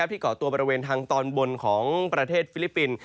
เกาะตัวบริเวณทางตอนบนของประเทศฟิลิปปินส์